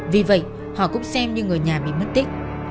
vì vậy họ cũng xem như người nhà bị mất tích